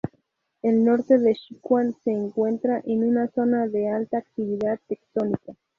El norte de Sichuan se encuentra en una zona de alta actividad tectónica.